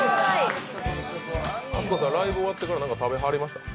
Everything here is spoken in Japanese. ライブ終わってから食べはりました？